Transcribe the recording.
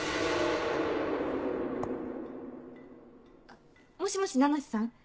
あっもしもし七瀬さん？